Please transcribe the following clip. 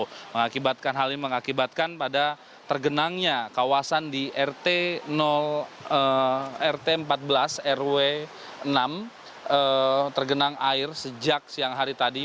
itu mengakibatkan hal ini mengakibatkan pada tergenangnya kawasan di rt empat belas rw enam tergenang air sejak siang hari tadi